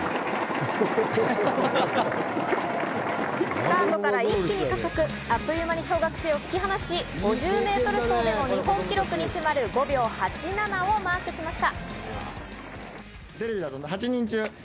スタートから一気に加速、あっという間に小学生を突き放し５０ｍ走での日本記録に迫る５秒８７をマークしました。